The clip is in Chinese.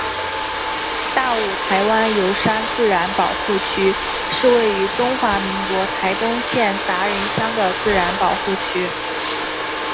大武台湾油杉自然保护区是位于中华民国台东县达仁乡的自然保护区。